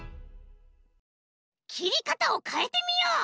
きりかたをかえてみよう！